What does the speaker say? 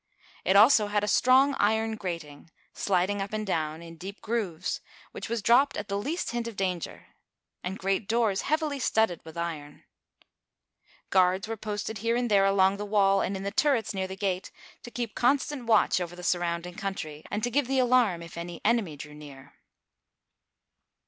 It also had a strong iron grating, sliding up and down in deep grooves, which was dropped at the least hint of Digitized by Google LOUIS I. (814 840) 85 danger, and grqat doors heavily studded with iron. Guards were posted here and there along the wall and in the turrets near the gate, to keep constant watch over the surrounding country, and to give the alarm if any enemy drew near.